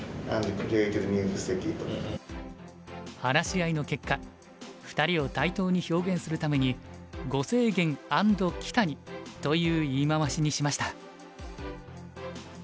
話し合いの結果２人を対等に表現するために「呉清源アンド木谷」という言い回しにしました。